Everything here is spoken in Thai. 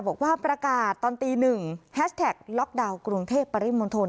บอกว่าประกาศตอนตี๑แฮชแท็กล็อกดาวน์กรุงเทพปริมณฑล